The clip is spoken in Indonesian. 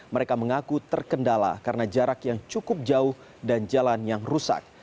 mereka mengaku terkendala karena jarak yang cukup jauh dan jalan yang rusak